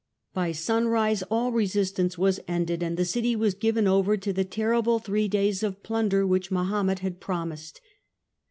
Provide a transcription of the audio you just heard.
By sunrise all resistance was ended, and the city was given over to the terrible three days of plunder which Mahomet had promised.